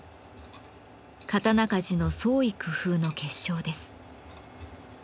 刀鍛冶の創意工夫の結晶です。